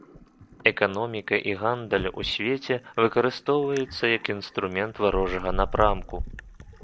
Эканоміка і гандаль у свеце выкарыстоўваюцца як інструмент варожага напрамку.